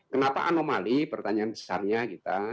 kenapa anomali pertanyaan besarnya kita